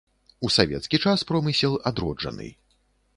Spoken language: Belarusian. У савецкі час промысел адроджаны.